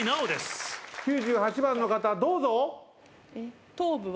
９８番の方どうぞ！